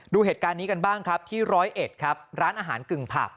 ดูเหตุการณ์นี้กันบ้างครับที่ร้อยเอ็ดครับร้านอาหารกึ่งผับ